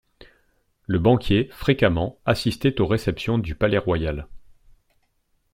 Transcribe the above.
Le banquier, fréquemment, assistait aux réceptions du Palais-Royal.